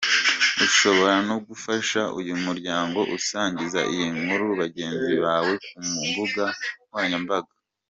Ushobora no gufasha uyu muryango usangiza iyi nkuru bagenzi bawe ku mbuga nkoranyambaga.